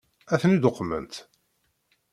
Ad ten-id-uqment?